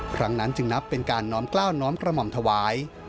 ครั้งนั้นจึงนับเป็นการน้อมกล้าวน้อมกระหม่อมถวาย